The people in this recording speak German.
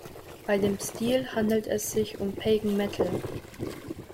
Bei dem Stil handelt es sich um Pagan Metal.